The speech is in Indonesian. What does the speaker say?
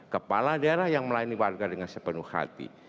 kepala daerah yang melayani warga dengan sepenuh hati